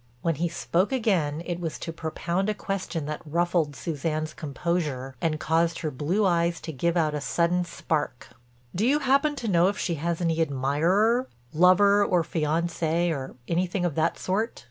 When he spoke again it was to propound a question that ruffled Suzanne's composure and caused her blue eyes to give out a sudden spark: "Do you happen to know if she has any admirer—lover or fiancé or anything of that sort?"